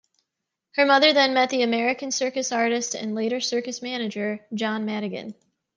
Her mother then met the American circus artist and later circus manager John Madigan.